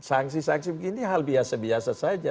sanksi sanksi begini hal biasa biasa saja